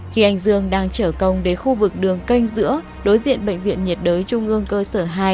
khi anh dương đang chở công đến khu vực đường canh giữa đối diện bệnh viện nhiệt đới trung ương cơ sở hai